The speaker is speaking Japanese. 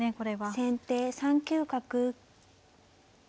先手３九角。